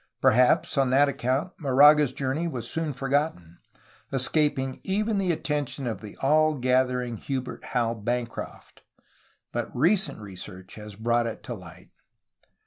Perhaps on that account Moraga's journey was soon forgotten, escaping even the attention of the all gathering Hubert Howe Bancroft, but recent research has brought it to light.